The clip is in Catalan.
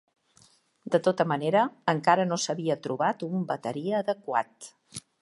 De tota manera, encara no s'havia trobat un bateria adequat.